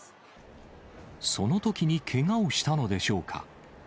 そのときにけがをしたのでしょうか。